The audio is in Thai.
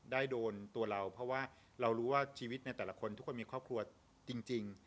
โดนตัวเราเพราะว่าเรารู้ว่าชีวิตในแต่ละคนทุกคนมีครอบครัวจริง